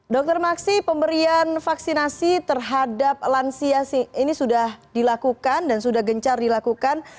dr maksi pemberian vaksinasi terhadap lansia ini sudah dilakukan dan sudah gencar dilakukan